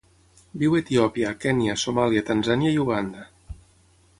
Viu a Etiòpia, Kenya, Somàlia, Tanzània i Uganda.